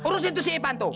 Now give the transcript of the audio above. urusin tuh si ipan tuh